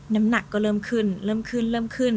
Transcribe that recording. น้ำหนักก็เริ่มขึ้นเริ่มขึ้นเริ่มขึ้น